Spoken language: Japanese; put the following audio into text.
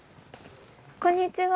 こんにちは。